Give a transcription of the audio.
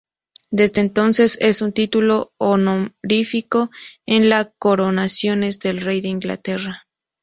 Desde entonces, es un título honorífico en las coronaciones del rey de Inglaterra.